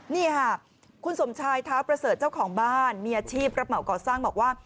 นี่ค่ะคุณสมชายเท้าประเสริฐเจ้าของบ้านมีอาชีพรับเหมาก่อสร้างบอกว่า